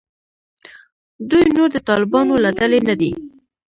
دوی نور د طالبانو له ډلې نه دي.